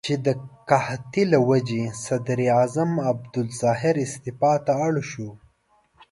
چې د قحطۍ له وجې صدراعظم عبدالظاهر استعفا ته اړ شو.